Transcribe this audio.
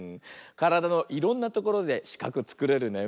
からだのいろんなところでしかくつくれるね。